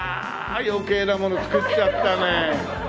余計なもの作っちゃったね。